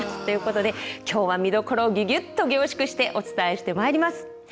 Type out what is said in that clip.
ということで今日は見どころをギュギュっと凝縮してお伝えしてまいります。